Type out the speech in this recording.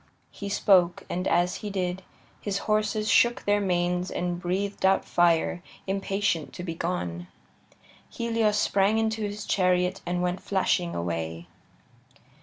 He spoke, and as he did, his horses shook their manes and breathed out fire, impatient to be gone. Helios sprang into his chariot and went flashing away.